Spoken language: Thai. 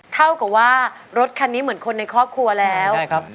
เท่ากับว่ารถคันนี้เหมือนคนในครอบครัวแล้วใช่ครับ